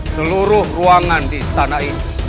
seluruh ruangan di istana ini